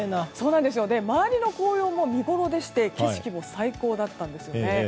周りの紅葉も見ごろで景色も最高だったんですね。